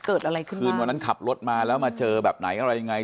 เกิดอะไรขึ้นคืนวันนั้นขับรถมาแล้วมาเจอแบบไหนอะไรยังไง